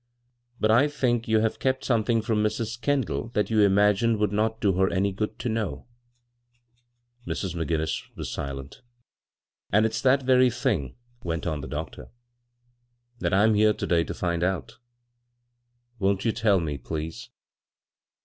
" But I think you have kept something from Mrs. Kendall that you imagine would not do her any good to know." Mrs. McGinnis was silent '* And if s that very thing," went on the 183 b, Google CROSS CURRENTS doctor, "that I'm here to day to find oat Won't you tell me, please?"